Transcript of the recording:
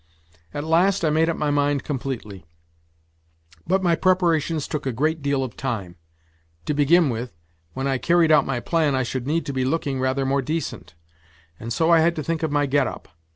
At last I made up my mind completely. But my preparations took a great deal of time. To begin with, when I carried out my plan I should need to be looking rather more decent, and so I had to think of my get up.